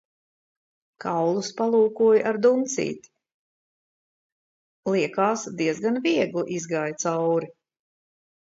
Kaulus palūkoju ar duncīti, liekās diezgan viegli izgāja cauri.